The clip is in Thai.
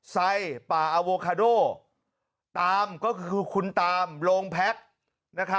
ไซป่าอโวคาโดตามก็คือคุณตามโรงพัก